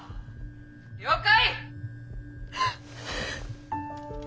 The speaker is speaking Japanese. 「了解！」。